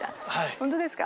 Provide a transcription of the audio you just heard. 本当ですか？